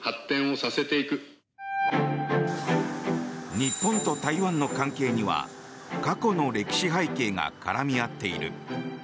日本と台湾の関係には過去の歴史背景が絡み合っている。